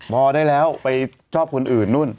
พอได้แล้วไปชอบคนอื่นนู่น